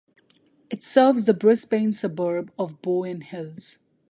It serves the Brisbane suburb of Bowen Hills.